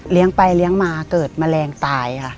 ไปเลี้ยงมาเกิดแมลงตายค่ะ